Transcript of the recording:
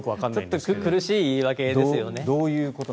ちょっと苦しい言い訳ですよね。